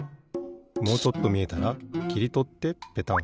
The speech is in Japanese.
もうちょっとみえたらきりとってペタン。